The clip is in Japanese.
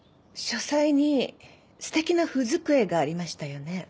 書斎にすてきな文机がありましたよね？